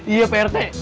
iya pak rete